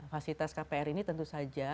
fasilitas kpr ini tentu saja